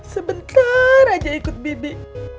sebentar aja ikut bibi